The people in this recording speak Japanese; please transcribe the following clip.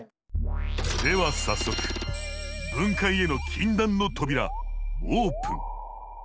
では早速分解への禁断の扉オープン。